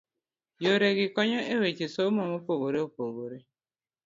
Yore gi konyo e weche somo mopogore opogore.